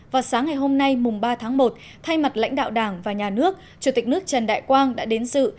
và sáng ngày hôm nay ba một thay mặt lãnh đạo đảng và nhà nước chủ tịch nước trần đại quang đã đến sự